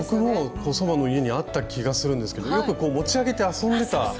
僕も祖母の家にあった気がするんですけどよくこう持ち上げて遊んでた。